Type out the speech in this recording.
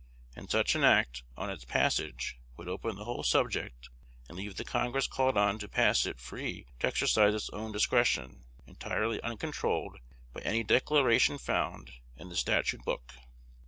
And such an act, on its passage, would open the whole subject, and leave the Congress called on to pass it free to exercise its own discretion, entirely uncontrolled by any declaration found in the statute book."